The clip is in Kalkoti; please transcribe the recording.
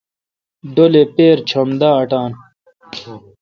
ڈولے پیرہ چم دا اٹان۔